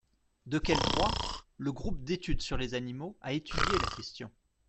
De quel droit ? Le groupe d’études sur les animaux a étudié la question.